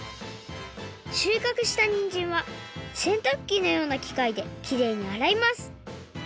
しゅうかくしたにんじんはせんたくきのようなきかいできれいにあらいます。